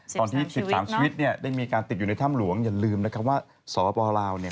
ตอนที่๑๓ชีวิตเนี่ยได้มีการติดอยู่ในถ้ำหลวงอย่าลืมนะครับว่าสปลาวเนี่ย